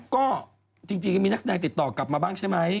ก็จริงมีนักแสดงติดต่อกลับมาบ้างใช่ไหม